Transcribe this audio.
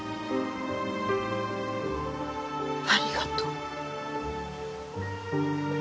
ありがとう。